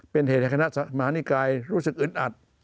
เป็นเหตุให้คณะมหานิกายรู้สึกอึดอัด